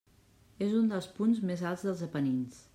És un dels punts més alts dels Apenins.